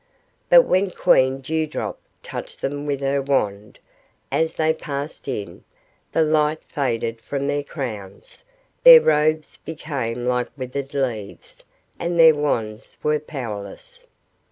But when Queen Dew Drop touched them with her wand, as they passed in, the light faded from their crowns, their robes became like withered leaves, and their wands were powerless.